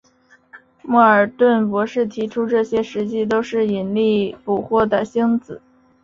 莫尔顿博士提出这些实际都是引力捕获的星子。